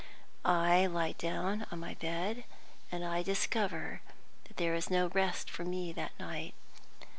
I lie down on my bed, and I discover that there is no rest for me that night.